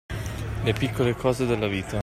Le piccole cose della vita.